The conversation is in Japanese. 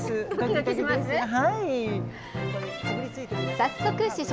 早速、試食。